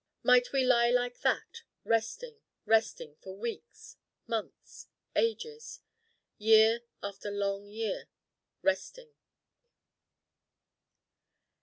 might we lie like that Resting, Resting, for weeks, months, ages Year after long year, Resting.